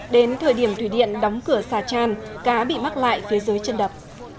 đến thời điểm thủy điện đóng cửa xà tràn cá bị mắc lại phía dưới chân đập